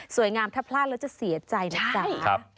งามถ้าพลาดแล้วจะเสียใจนะจ๊ะ